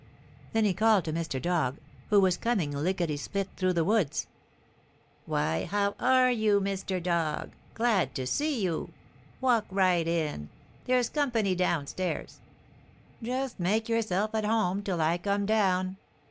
Then he called to Mr. Dog, who was coming lickety split through the woods: "'Why, how are you, Mr. Dog? Glad to see you! Walk right in. There's company down stairs; just make yourself at home till I come down.'